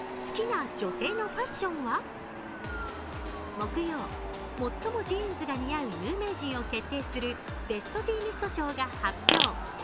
木曜、最もジーンズが似合う有名人を決定するベストジーニスト賞が発表。